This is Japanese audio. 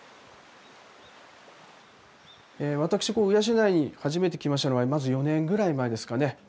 私鵜養に初めて来ましたのはまず４年ぐらい前ですかね。